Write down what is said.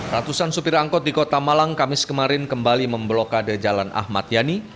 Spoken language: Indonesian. ratusan supir angkot di kota malang kamis kemarin kembali memblokade jalan ahmad yani